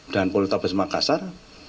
dan poliutapus makassar